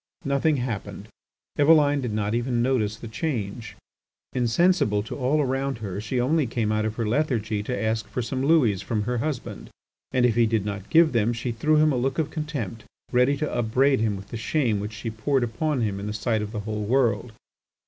Nothing happened. Eveline did not even notice the change. Insensible to all around her, she only came out of her lethargy to ask for some louis from her husband, and if he did not give them she threw him a look of contempt, ready to upbraid him with the shame which she poured upon him in the sight of the whole world.